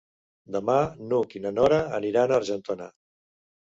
Demà n'Hug i na Nora aniran a Argentona.